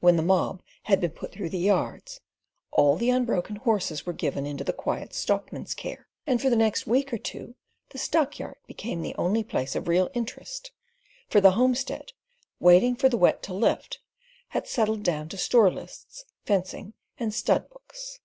When the mob had been put through the yards, all the unbroken horses were given into the Quiet Stockmas's care, and for the next week or two the stockyard became the only place of real interest; for the homestead, waiting for the Wet to lift, had settled down to store lists, fencing, and stud books.